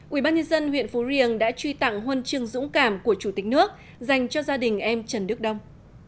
ubnd huyện phú riềng đã truy tặng huân chương dũng cảm của chủ tịch nước dành cho gia đình em trần đức đông